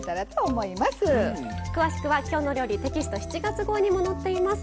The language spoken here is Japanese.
詳しくは「きょうの料理」テキスト７月号にも載っています。